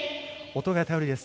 音が頼りです。